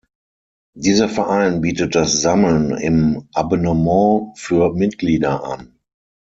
Dieser Verein bietet das Sammeln im Abonnement für Mitglieder an.